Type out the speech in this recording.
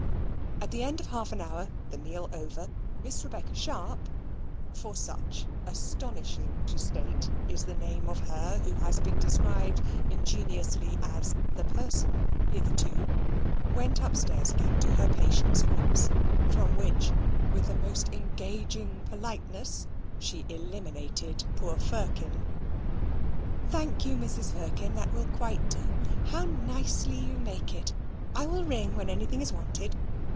At the end of half an hour, the meal over, Miss Rebecca Sharp (for such, astonishing to state, is the name of her who has been described ingeniously as "the person" hitherto), went upstairs again to her patient's rooms, from which, with the most engaging politeness, she eliminated poor Firkin. "Thank you, Mrs. Firkin, that will quite do; how nicely you make it! I will ring when anything is wanted."